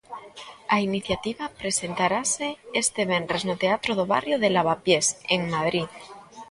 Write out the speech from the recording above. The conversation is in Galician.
A iniciativa presentarase este venres no Teatro do Barrio de Lavapiés, en Madrid.